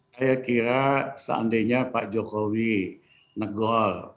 saya kira seandainya pak jokowi negol